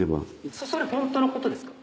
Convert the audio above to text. それホントのことですか？